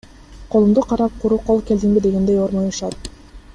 Колумду карап, куру кол келдиңби дегендей ормоюшат.